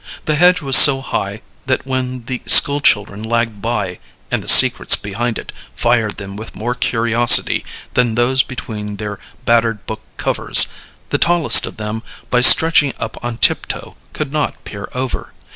The hedge was so high that when the school children lagged by, and the secrets behind it fired them with more curiosity than those between their battered book covers, the tallest of them by stretching up on tiptoe could not peer over.